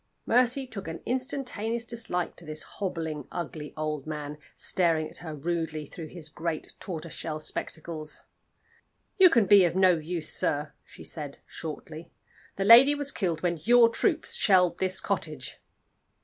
Mercy took an instantaneous dislike to this hobbling, ugly old man, staring at her rudely through his great tortoiseshell spectacles. "You can be of no use, sir," she said, shortly. "The lady was killed when your troops shelled this cottage."